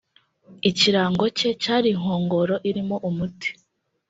Ikirango cye cyari inkongoro irimo umuti